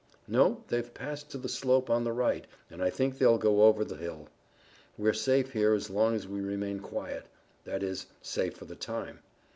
"No, they've passed to the slope on the right, and I think they'll go over the hill. We're safe here so long as we remain quiet; that is, safe for the time.